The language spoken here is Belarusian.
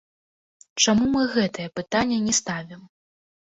Чаму мы гэтае пытанне не ставім?